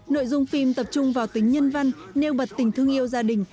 nội dung phim tập trung vào tính nhân văn nêu bật tình thương yêu gia đình